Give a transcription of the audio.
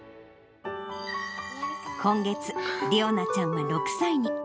今月、理央奈ちゃんは６歳に。